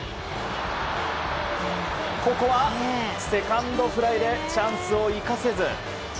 ここはセカンドフライでチャンスを生かせず。